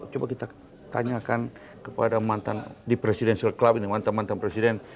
coba kita tanyakan kepada mantan di presidential club ini mantan mantan presiden